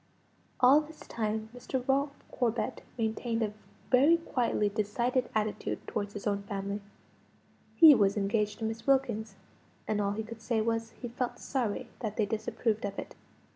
All this time, Mr. Ralph Corbet maintained a very quietly decided attitude towards his own family. He was engaged to Miss Wilkins; and all he could say was, he felt sorry that they disapproved of it.